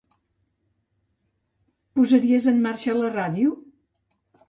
Posaries en marxa la ràdio?